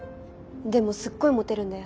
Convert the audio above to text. でもすっごいモテるんだよ。